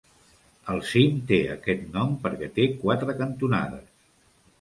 El cim té aquest nom perquè té quatre cantonades.